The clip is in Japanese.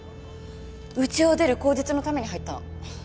うちを出る口実のために入ったの。